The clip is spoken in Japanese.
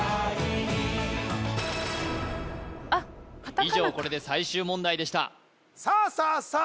以上これで最終問題でしたさあさあさあ！